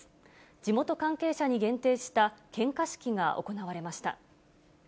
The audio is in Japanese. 地元関係者に限定した献花式が行われました。